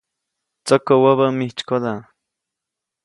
Tsäkä wäbä mijtsykoda.